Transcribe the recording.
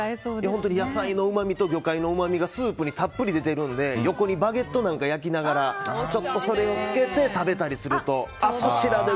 本当に野菜と魚介のうまみがスープにたっぷり出てるので横にバゲットなんかを焼きながらちょっとそれをつけて食べたりすると。